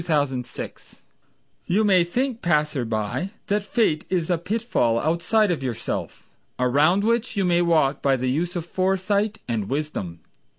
Lyman King You may think, passer by, that Fate Is a pit fall outside of yourself, Around which you may walk by the use of foresight And wisdom.